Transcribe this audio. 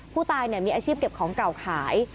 ผู้ตายมีอาชีพเก็บของเก่าขาย